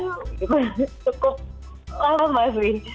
cukup lama mas wih